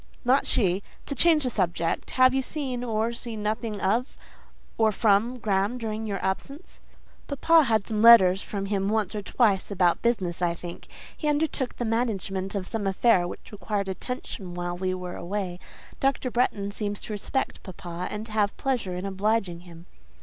"Not she. To change the subject. Have you heard or seen nothing of, or from, Graham during your absence?" "Papa had letters from him once or twice about business, I think. He undertook the management of some affair which required attention while we were away. Dr. Bretton seems to respect papa, and to have pleasure in obliging him."